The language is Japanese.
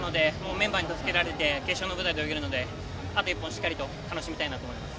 メンバーに助けられて決勝の舞台で泳げるのであと１本、しっかりと楽しみたいと思います。